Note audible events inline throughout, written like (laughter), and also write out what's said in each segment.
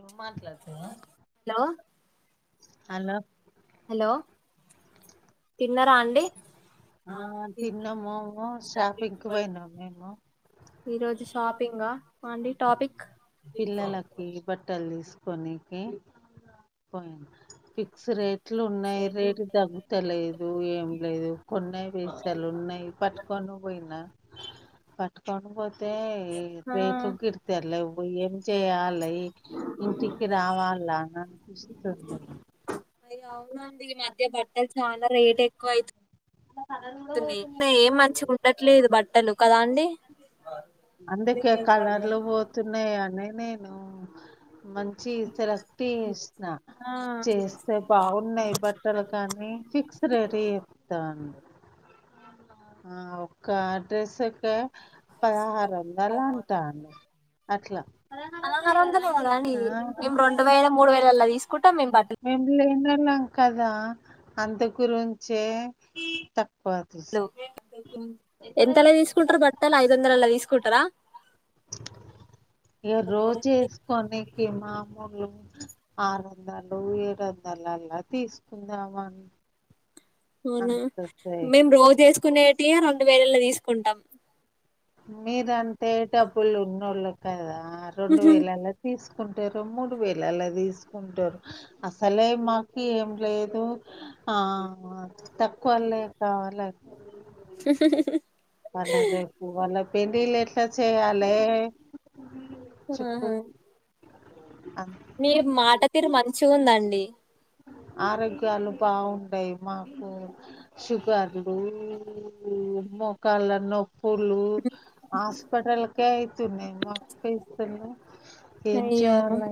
ఏం హలో మాట్లాడుతున్నా hello hello hello తిన్నార అండి ఆ తిన్నాం తిన్నాము ఈరోజు షాపింగ్ కి పోయినాము పోయినము మేము ఈరోజు షాపింగ్ ఆ అండి టాపిక్ ట్టలు తీసుకోనికి పోయిన ఫిక్స్ రేట్ ఇట్లు ఉన్నాయి రేటు తగ్గుతలేదు ఏం లేదు కొన్నై పేసాలు ఉన్నాయి పట్టుకొని పోయినా పట్టుకొని పో అయితే ఆ రేట్లు గిడితలేవ్ ఏం చేయాలి ఇంటికి రావాలా అని అనిపిస్తుంది అయ్యో అవున కొయితె న్నా ఏం మంచిగ ఉండట్లేదు బట్టలు కదా అండి అందుకే కలర్లు (inaudible) పోతున్నాయని నేను మంచి సెలెక్ట్ చేసిన ఆ చేస్తే బాగున్నాయి బట్టలు కానీ ఫిక్స్ రెడీ ఇత్తండు అవ్నా ఆ ఒక డ్రస్ కు పదహరు వందలు అట్లా అంటండు పదహరు వందలే కదండి ఆ మేము రెండు వేల మూడు వేలలా తీసుకుంటాం మేము బట్ట ఇన్నలా కదా అందు గురుంచే త హలో ఎంతలా తీసుకుంటారు బట్టలు ఐదు వందల అలా తీసుకుంటారా ఇగ రోజు ఏసుకొనికి మా మాలు ఆరు వందలు ఏడు వందలు అలా తీసుకుందామని అవునా అంత సేపు మేము రోజు వేసుకునేటియి రెండు వేలల్లో తీసుకుంటాం మీరు అంటె డబ్బులున్నోళ్లు కదా రెండు వేలలా తీసుకు సుకుంటారు మూడు వేలలా తీసుకుంటారు అసలే మాకి ఎం లే ధో ఆ తక్కువళ కావాలి అలా రె అల పెండిలెట్ వంట చేయాలే చెప్పు ఆహా అం మీ మాట తీరు మంచిగ ఉందండి ఆరోగ్యాలు బాగుండయి మాకు షుగర్లు మోకాళ్ళ నొప్ పులు హాస్పిటల్కే అయ్తున్నాయి మాక్ పైసలు ఏం అయ్యో చేయలో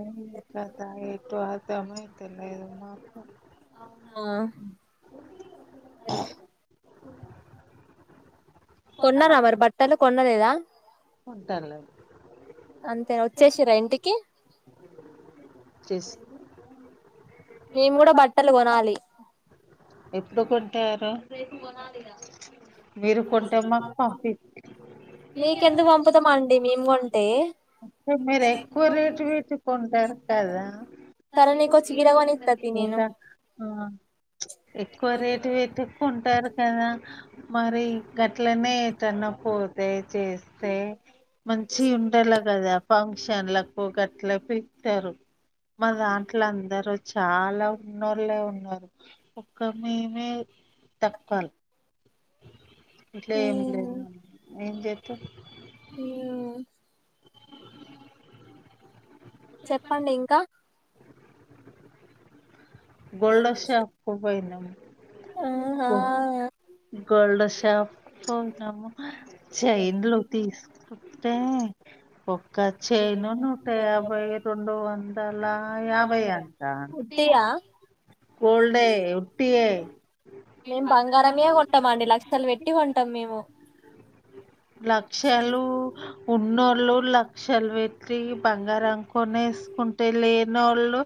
కథ ఏ (unintelligible) అర్థమైత లేదు నాకు హ కొన్నారా మరి బట్టలు కొన్ లేదా కొంటారు అంతే వచ్చేసిన్రా ఇంటికి చేసి మేము కూడా బట్టలు కొనాలి ఎప్పుడు కొంటారు రేపు కొనాలి ఇగ మీరు కొంటే మాకు పంపి మీకెందుకు పంపుతామండి మేము కొంటే మీరు ఎక్కువ రేటు పెట్టీ కొంటారు కదా సరే నీకో చీర కొనిత్త తీ నేను ఎక్కువ రేటు పెట్టుకుం సర్ కదా మరి గట్లనే తన్పో దయచేసి సే మంచియి ఉండాలె కదా ఫం చెన్లక్ పాకెట్ పెట్టారు మా దాంట్ల అందరూ చాలా ఉన్నోళ్లే ఉన్నారు ఒక్క మేమే తక్కువల్ ఇంట్లో ఏమి లేదు మరి ఏం చే మియావ్ చెప్పండి ఇంకా గోల్డ్ షాప్కు పోయినమ్ ఆహా ఓ గోల్డ్ షాప్ పోతాము చైన్లు తీసుకుంటే గ చైను నూట యాభై రెండు వందల యాభై అంటాండు ఉట్టియా గోల్డే ఉట్టియే మే కొంటాం అండి లక్షలు పెట్టి కొంటాం మేము ఉన్నోళ్లు లక్షలు పెట్టి బంగారం కొనెస్కుంటే లెన్నోళ్లు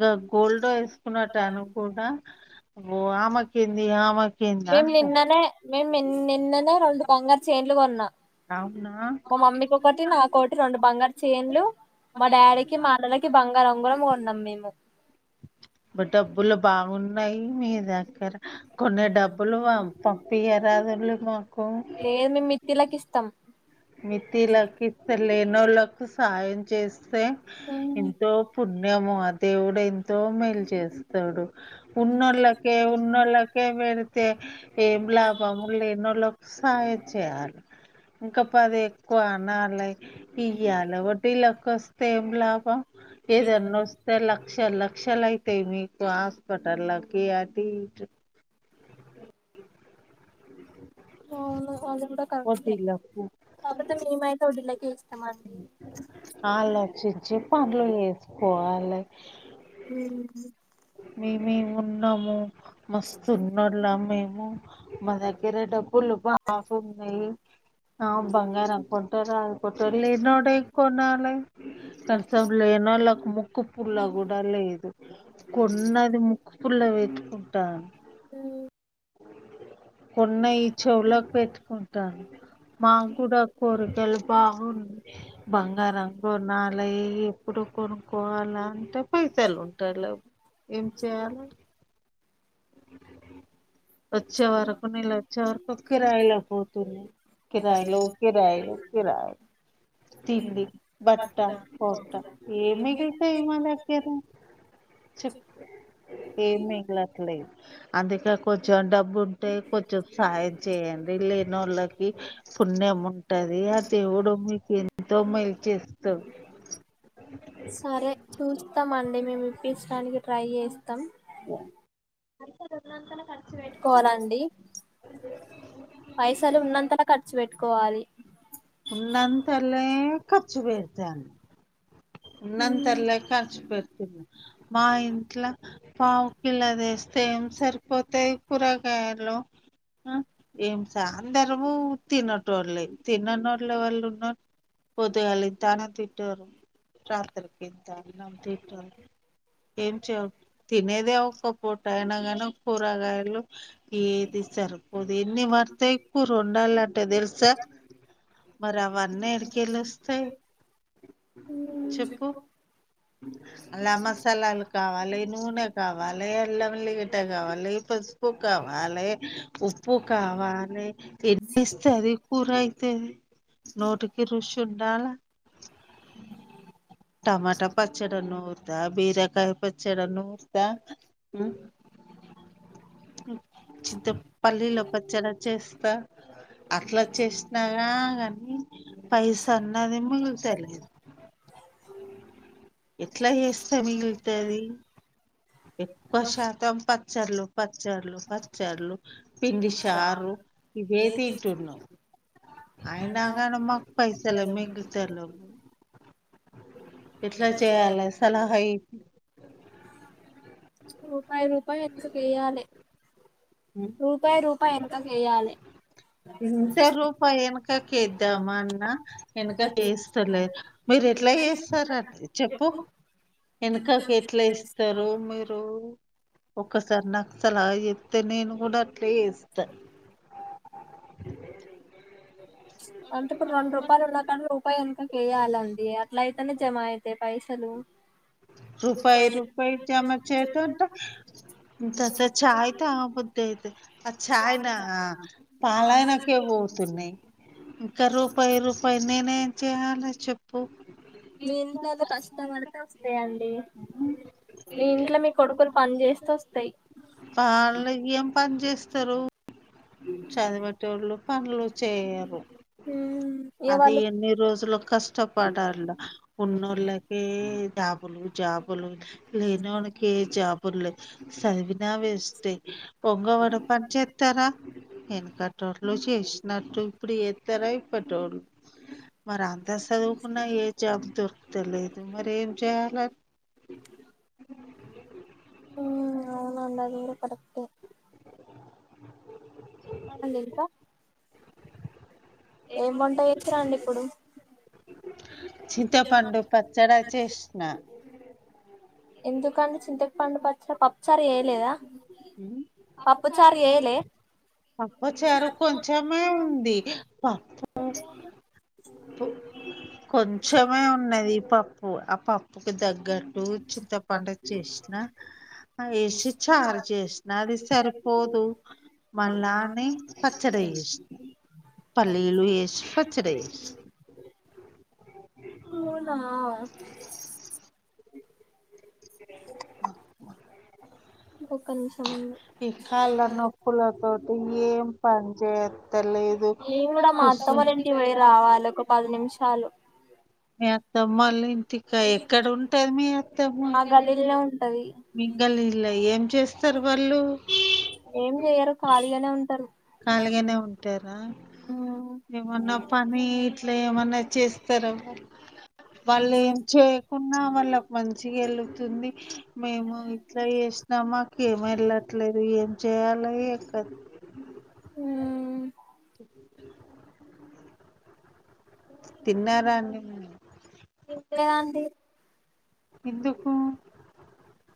గ గోల్డ్ వేస్ కున్నట్టు అనుకుడా ఓ ఆమెకేంది ఆమె మేమ్ నిన్ననే మేమ్ మేమ్ నిన్ననే రెండు బంగారు చేైన్లు కొన్నా. అవునా మా మమ్మీకి ఒకటి, నాకొటి రెండు బంగారు చేన్లు. మా డాడీకి మా అన్నలకి బంగారు ఉంగరం కొన్నాం మేము. ఇ డబ్బులు బాగున్నాయి మీ దగ్గర కొన్ని డబ్బులు పంపియ రాదులు పం లేదు మేమ్ మితిలాకి ఇస్త త్తం మితిలా కిస్తలే ఇన్నోలకు సహాయం చేస్త ఉమ్, ఎంతో పుణ్యం దేవుడు దోమేలు చేస్తాడు ఉన్నోళ్ళకే ఉన్నోళ్ళకే పెడీ తే ఏం లాభములు లేన్నోళ్ళ సాయం చేయాలి ఇంకా అది ఎక్కువ అన్నారు లైక్ ఇయ్యాల ఒకటి ఇలాక్కస్త ఏం లాభము ఏదన్న వస్తే లక్ష లక్ష కక్షలా ఇయితే మీకు హాస్పిటలకి అది అవును అ పోదిలాప్పు మేమైతే వడ్డీలకే ఇస్తామండి ఆలోచించి పనులు చేసుకోలలో హ మేమేమి ఉన్నాము మస్తుూ ఉన్నోలం మాదగ్గర డబ్బు పువ్వులు బాగున్నాయి ఆ బంగారం అనుకుంటే రాలకుండా లేనోడు ఏం కొనాలి కనీసం లేని వాళ్ళకి ముక్కుపుల్ల కూడా లేదు కొన్నాది ముక్కుపుల్ల ళ్ల పెట్టుకుంటారు ఉంటారు అ కొన్నా చెవులకు పెట్టుకూన్ మా కూడా కోరకలు బాగు బంగారం కొనాలి ఇప్పుడు కొనుక్కోవాలా ఉంట పైసలు ఉంట లే ఏం చేయాలి వచ్చే వరకు నీళ్ళ వచ్చే వరకు కిరాయిలు పోతుంది కిరాయిలు కిరాయిలు కిరాయిలు తిండి బట్ట పొట్ట ఏ మిగిలిపోయింది మా దగ్గర. ఏం మిగులుతాలేదు అందుకే కొంచం డబ్బు ఉంటే కొంచం సాహయం చేయండి లేని వాళ్ళకి. పుణ్యం ఉంటాది ఆ దేవుడు మీకు ఎంతో మేలు చేస్తాడు. అంటే మేము ఇప్పించడానికి ట్రై చేస్తాం. (unintelligible) పెట్కోవాలండి పైసలు ఉన్నంతల ఖర్చు పెట్టుకోవాలి. ఉన్నంతలే ఉన్నంతాల ఖర్చు పెడ్తున్న మా ఇంట్ల పావుకిల్లది వేస్తే ఏం సరిపోతాయి కూరగాయలు ఏం అందరము తిన్నట్లే వాళ్ళలే తిన్నని వాళ్లే వాళ్ళు ఉన్న పొదుగాలి ఇంత అన్నం తింటారు రాత్రికింత అన్నం తింటారు ఏం చే తినేదే ఒక్క పూట అయినా కానీ కూరగాయలు ఏది సారు పోది ఎన్ని మడతా ఎక్కువ రెండేళ్ళ అంటే తెలుసా మర్అవర్ అన్ని ఎడికేలోస్తాయ్ ఉమ్, చెప్పు అలా మసాలాలు కావాలి నూనె కావాలి అల్లమేల్లి గడ్డ కావాలి పసుపు ఉప్పు కావాలి ఉప్పు కావాలి వేస్తుది కూర అయితాది నోటికి ఋషి దాల టమాటా పచ్చడ నుర్తా బీరకాయ పచ్చడ నుర్తా చింత పల్లీల పచ్చడ చేస్తే స్త అట్లా చేసినాగా కాని పైస అన్నది మిగిలుతా లేదు ఎట్లా చేస్తా మిగులుతాది ఎక్కువ శాతం పత్తి చర్లు పత్తి ర్లు పచ్చర్లు పిండి షారు ఇవే తింటున్నా అయినా ఐనా మాకు పైసలు మిగులుతాలేదు చేయాలి సలా అయి రూపాయ్ రూపాయ్ వెనుక వెయ్యాలి. ఇంత రూపాయి వెనకకి వేద్దామాన్న వెనకకిస్తలే మీరు ఎట్లా చేస్తార అట్లా చెప్పు వెనకకి ఎట్లా ఏస్తారు మీరు. రూ ఒక్కసార్ నాకు సలహా చెప్పు. తర్ నేను కూడా అట్లా వేస్తా ప్చ్ అంటే ఇప్పుడ్ రెండ్ రూపాయలు ఉన్నా కానీ రూపాయి వెనకక్ వెయాలండి అట్లా అయితేనే జమైత్ రూపాయి రూపాయి జమ చేయటంటే ఇంతంత ఛాయ్ తా బుద్ అయితద్ ఆ ఛాయ్ నా పాలనకే పోతున్నాయ్. ఇంకా రూపాయి రూపాయి నేనేం చెయాల చెప్పు మీ ఇంట్లోలో కష్టపడితే వస్తాయండి మీ ఇంట్లో మీ కొడుకులు పని చేస్త్ వస్తాయి. స్తరు చదిపెట్టే వాళ్ళు పనులు చేయరు ఇగ అది వాళ్ళు ఎన్ని రోజులు కష్టపడాల ఉన్నోళ్ళకి దబ్ జాబులు జాబులు లేనోళక్కి ఏ జాబ్ పులే సవిన వేస్టీ పొంగవడు పని చేస్తారా వేనకటోళ్లు చేసినట్టు ఇప్పుడు ఏతారా ఇపటోళ్లు మర్ అంత ఎంత సదువుకున్నా ఏ జాబ్ దొర్ తెలేదు మరి ఏం చేయాల మ్ అవును అంద అది కూడా కూడా పడుకుట అడింసా ఏం బంటాయి ఇచ్చ రండి ఇప్పుడు చింతపండు పచ్చడా చేసిన ఎందుకంటే చింతకి పండు పచ్చ పప్పుచారి వయలేదా అప్పచారు కొంచమే ఉంది ప కొంచెమే ఉన్నది పప్పు అప్పు పప్పుకి దగ్గర ఇడు చింతపడు చేసిన వేసి చారు చేసిన అది సరిపోదు మళ్ళానే పచ్చడిసిన పల్లీలు వేసి పచ్చడి వసా అవునా (unintelligible) కోక ను ఇకాల్లా నకులతో అంట ఏం పని చేత్తలే నేము కూడా మద్దమరంటివళ రావాలి ఒక పది నిమిషాలు ఎంత మళ పర్తికా ఎక్కడ ఉంటుంది మీ అత్తము మా గల్లీలోనే ఉంటది మిగలి ఇల్లా ఏం చేస్తారు వాళ్ళు లా ఉంటారు ఖాళీగానే ఉంటారా ఏమన్నా పనీ అట్లా ఏమన్నా చేస్తరా వాళ్ళు ఏం చేయకున్నా వాళ్ళ ఒక మంచిగా వెళ్ళ ఉంది మేము ఇట్లా చేసినా మాకు ఏమి వెళ్ళట్లేదు ఏం చెయ్యాలై ఎక్క హ్మ తిన్నారా అండి మీరు లేద్ అండి ఎందుకూ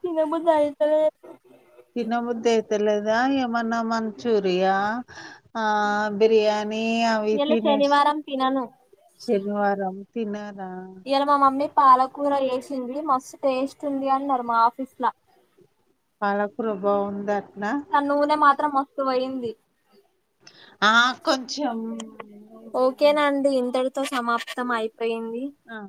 తిన బుద్ధిఐతలేదు తిన బుద్ది అయితలేదా ఆ ఏమన్న మంచూరియా ఆ బిర్యానీ అవి ఇయాల తినే శనివారం తినను శనివారం తినరా ఇయాల మా మమ్మీ పాలకూర చేసింది మస్తు టేస్ట్ ఉంది అన్నారు మా ఆఫీస్ ల పప్పులో బాగుందా కాని నూనె మాత్రం మస్తు పోయింది ఆ కొంచెం ఓకేనా అండి ఇంతతు సమాప్తం ఐతే పోయింది ఆ